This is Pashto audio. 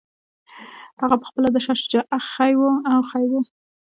هغه پخپله د شاه شجاع اخښی وو.